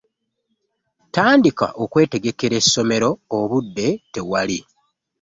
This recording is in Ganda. Tandika okwetegekera essomero obudde tewali.